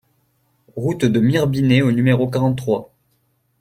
Route de Mirebinet au numéro quarante-trois